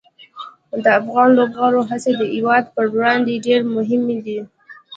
د افغان لوبغاړو هڅې د هېواد پر وړاندې ډېره مهمه دي.